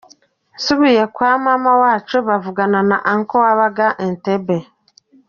Nsubiye kwa mama wacu, bavugana na uncle wabaga Entebbe.